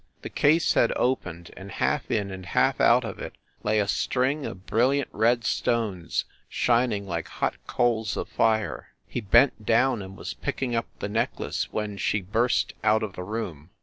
The case had opened, and half in and half out of it lay a string of brilliant red stones shining like hot coals of fire. He bent down and was picking up the neck lace when she burst out of the room.